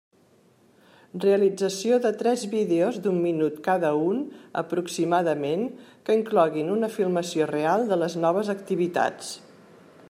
Realització de tres vídeos d'un minut cada un aproximadament que incloguin una filmació real de les noves activitats.